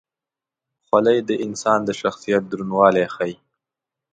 خولۍ د انسان د شخصیت دروندوالی ښيي.